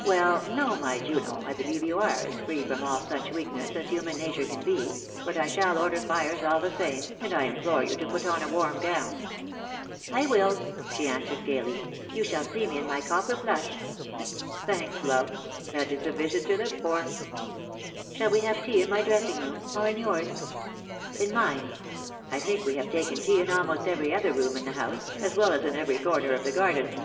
"Well, no, my Juno, I believe you are as free from all such weakness as human nature can be; but I shall order fires all the same, and I implore you to put on a warm gown." "I will," she answered, gaily. "You shall see me in my copper plush. THE DAY WILL COME. 4 I "Thanks, love. That is a vision to live for." " Shall we have tea in my dressing room — or in yours?" "In mine. I think we have taken tea in almost every other room in the house, as well as in every corner of the garden."